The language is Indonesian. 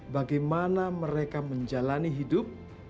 bagaimana mereka menjalani hidup